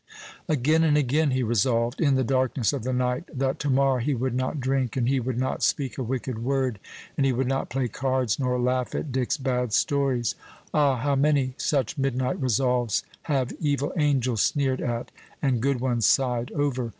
Again and again he resolved, in the darkness of the night, that to morrow he would not drink, and he would not speak a wicked word, and he would not play cards, nor laugh at Dick's bad stories. Ah, how many such midnight resolves have evil angels sneered at and good ones sighed over!